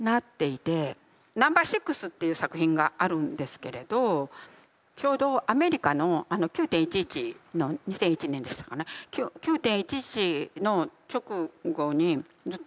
「ＮＯ．６」という作品があるんですけれどちょうどアメリカのあの９．１１の２００１年でしたかね９．１１の直後にずっと書いてきた作品なんですけれど。